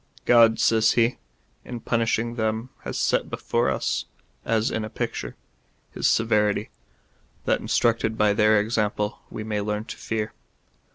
" God," says he, " in punishing them has set before us, as in a picture, his severity, that, instructed by their example, we may learn to fear."